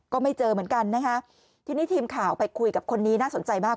ก็ไม่เจอเหมือนกันนะคะทีนี้ทีมข่าวไปคุยกับคนนี้น่าสนใจมาก